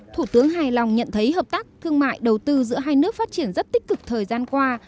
thủ tướng hài lòng nhận thấy hợp tác thương mại đầu tư giữa hai nước phát triển rất tích cực thời gian qua